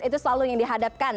itu selalu yang dihadapkan